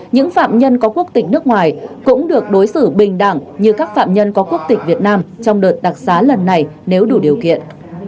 những phạm nhân có quốc tịch nước ngoài cũng được đối xử bình đẳng như các phạm nhân có quốc tịch việt nam trong đợt đặc xá lần này nếu đủ điều kiện